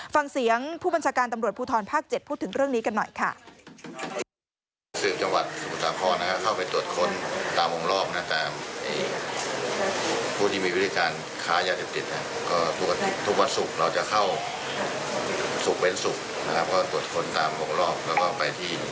ฟังเสียงผู้บัญชาการตำรวจภูทรภาค๗พูดถึงเรื่องนี้กันหน่อยค่ะ